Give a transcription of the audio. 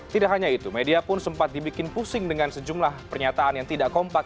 tidak hanya itu media pun sempat dibikin pusing dengan sejumlah pernyataan yang tidak kompak